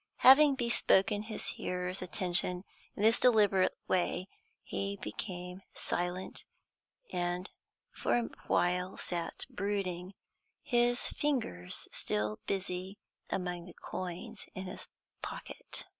Having bespoken his hearer's attention in this deliberate way, he became silent, and for a while sat brooding, his fingers still busy among the coins in his pocket.